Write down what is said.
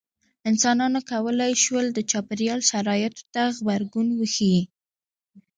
انسانانو کولی شول د چاپېریال شرایطو ته غبرګون وښيي.